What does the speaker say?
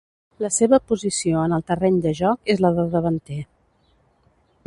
La seva posició en el terreny de joc és la de davanter.